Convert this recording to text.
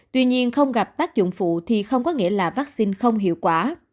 tuy nhiên không gặp tác dụng phụ thì không có nghĩa là vaccine không hiệu quả